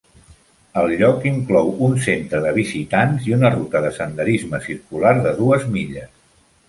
El lloc inclou un centre de visitants i una ruta de senderisme circular de dues milles.